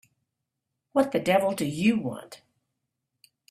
What the devil do you want?